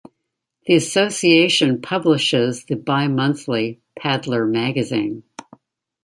The Association publishes the bi-monthly "Paddler Magazine".